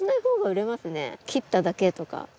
切っただけとか。